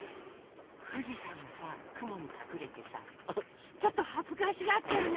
ふじさんがさくもにかくれてさちょっとはずかしがってるね。